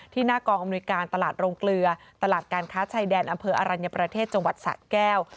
หน้ากองอำนวยการตลาดโรงเกลือตลาดการค้าชายแดนอำเภออรัญญประเทศจังหวัดสะแก้ว